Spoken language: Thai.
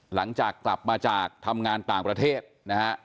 หลังจากกลับมาจากทำงานต่างประเทศนะฮะ